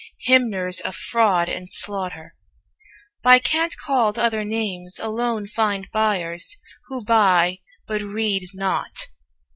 Hymners of fraud and slaughter, By cant called other names, alone find buyers Who buy, but read not.